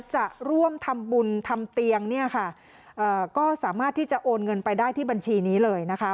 จะร่วมทำบุญทำเตียงเนี่ยค่ะก็สามารถที่จะโอนเงินไปได้ที่บัญชีนี้เลยนะคะ